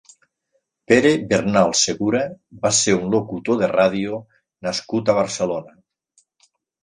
Pere Bernal Segura va ser un locutor de ràdio nascut a Barcelona.